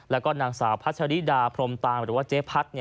แล้วก็นางสาวพัชริดาพรมตามหรือว่าเจ๊พัด